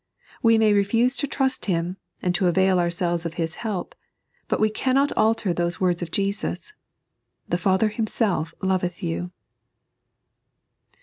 We may refuse to trust Him, and to avail ourselves of His help, but we cannot alter those words of Jesus :" The Father Himself loveth you."